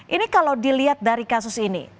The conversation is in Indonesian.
ini kalau dilihat dari kasus ini